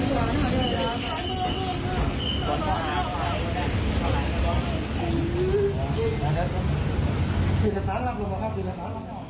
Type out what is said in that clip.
อยากเตรียมสวบข้างหน้า